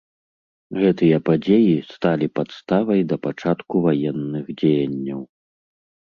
Гэтыя падзеі сталі падставай да пачатку ваенных дзеянняў.